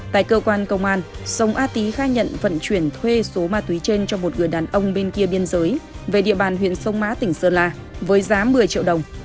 tại cơ quan công an sông a tý khai nhận vận chuyển thuê số ma túy trên cho một người đàn ông bên kia biên giới về địa bàn huyện sông mã tỉnh sơn la với giá một mươi triệu đồng